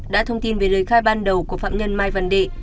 đã thông tin về lời khai ban đầu của phạm nhân mai văn đệ